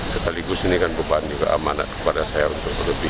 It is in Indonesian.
setelah ini kan bapak andika amanat kepada saya untuk berdiri